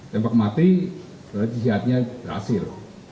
tembak mati seharusnya siatnya berhasil